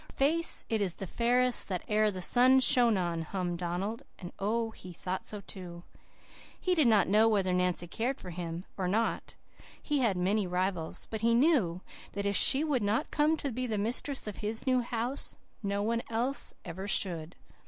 'Her face, it is the fairest that e'er the sun shone on,' hummed Donald and oh, he thought so, too! He did not know whether Nancy cared for him or not. He had many rivals. But he knew that if she would not come to be the mistress of his new house no one else ever should.